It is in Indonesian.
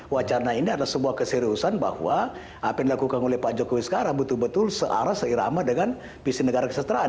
wacana ini adalah sebuah keseriusan bahwa apa yang dilakukan oleh pak jokowi sekarang betul betul searah seirama dengan visi negara kesejahteraan